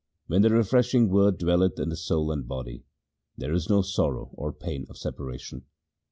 When the refreshing Word dwelleth in the soul and body, there is no sorrow or pain of separation.